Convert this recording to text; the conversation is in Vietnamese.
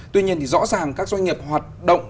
tuy nhiên thì rõ ràng các doanh nghiệp hoạt động